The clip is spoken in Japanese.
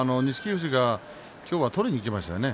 富士が今日は取りにいきましたね。